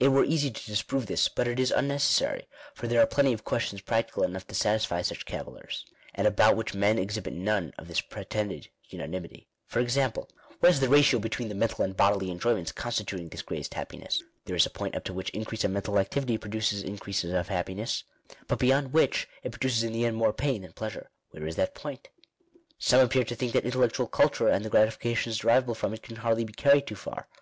It were easy to disprove this, but it is unnecessary, for there are plenty of questions practical enough to satisfy such cavillers, and about which men exhibit none of this pretended unanimity. For example :—• What is the ratio between the mental and bodily enjoyments constituting this "greatest happiness"? There is a point up to which increase of mental activity pro duces increase of happiness ; but beyond which, it produces in the end more pain than pleasure. Where is that point? Some appear to think that intellectual culture and the gratifications deriveable from it can hardly be carried too far.